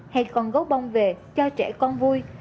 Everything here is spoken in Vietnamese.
hay con gấu bông về cho trẻ con vui